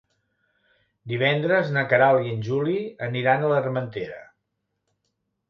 Divendres na Queralt i en Juli aniran a l'Armentera.